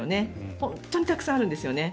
本当にたくさんあるんですよね。